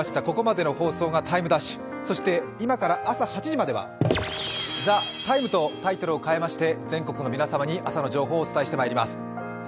ここまでの放送が「ＴＩＭＥ’」、そして今から朝８時までは「ＴＨＥＴＩＭＥ，」とタイトルを変えまして、全国の皆様に朝の情報をお伝えしてまいります。